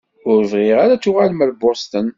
Ur bɣiɣ ara ad tuɣalem ar Boston.